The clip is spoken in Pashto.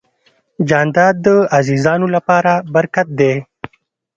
جانداد د عزیزانو لپاره برکت دی.